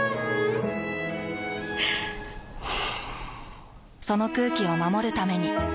ふぅその空気を守るために。